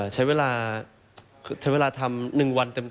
ใช้เวลาใช้เวลาทำ๑วันเต็ม